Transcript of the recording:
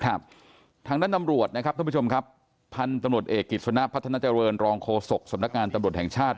ทางด้านตำรวจนะครับท่านผู้ชมครับพันธุ์ตำรวจเอกกิจสนะพัฒนาเจริญรองโฆษกสำนักงานตำรวจแห่งชาติ